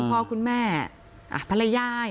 คุณพ่อคุณแม่ภรรยาย